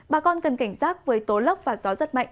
bà con cần cảnh giác với tố lốc và gió rất mạnh